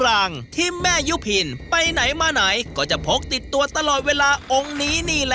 ทางนี้ออกจากว่างออกไปอ่ะ